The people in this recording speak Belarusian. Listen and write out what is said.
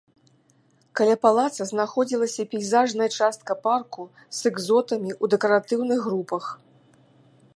Каля палаца знаходзілася пейзажная частка парку з экзотамі ў дэкаратыўных групах.